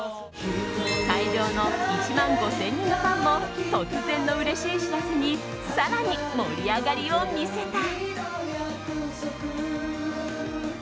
会場の１万５０００人のファンも突然のうれしい知らせに更に盛り上がりを見せた。